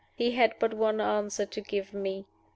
He had but one answer to give me.